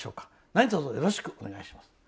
なにとぞよろしくお願いします」。